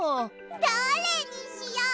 どれにしよ。